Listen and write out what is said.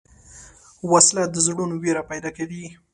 وسله د زړونو وېره پیدا کوي